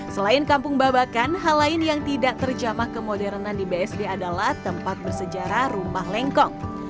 selain kampung babakan hal lain yang tidak terjamah kemodernan di bsd adalah tempat bersejarah rumah lengkong